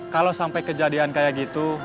kalau sampai kejadian kayak gitu